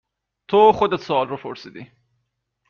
تو خودت سوال رو پرسیدی